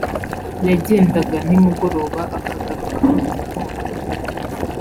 yagendaga nimugoroba akagaruka mu gitondo